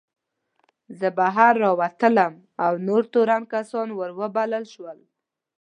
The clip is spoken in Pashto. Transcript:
زه بهر راووتلم او نور تورن کسان ور وبلل شول.